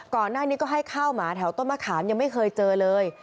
ก่อนหน้านี้ก็ให้ข้าวหมาแถวต้นมะขามยังไม่เคยเจอเลย